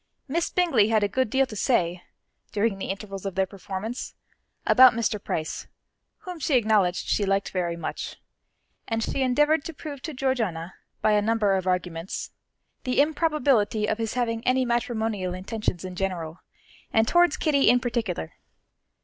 Miss Bingley had a good deal to say, during the intervals of their performance, about Mr. Price, whom she acknowledged she liked very much, and she endeavoured to prove to Georgiana, by a number of arguments, the improbability of his having any matrimonial intentions in general, and towards Kitty in particular.